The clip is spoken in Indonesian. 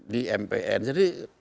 di mpn jadi